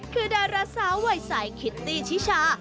คือดาราสาววัยสายคิตตี้ชิชา